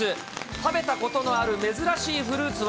食べたことのある珍しいフルーツは？